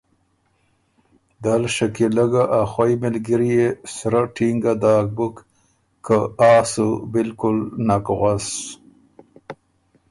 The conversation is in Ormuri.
دل شکیلۀ ګۀ ا خوئ مِلګريې سرۀ ټینګه داک بُک که ”آ“سوبالکل نک غؤس